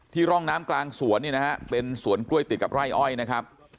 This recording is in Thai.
ร่องน้ำกลางสวนเนี่ยนะฮะเป็นสวนกล้วยติดกับไร่อ้อยนะครับ